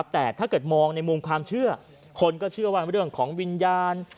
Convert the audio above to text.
แต่ถ้าเกิดมองในมุมความเชื่อคนก็เชื่อว่าเรื่องของวิญญาณ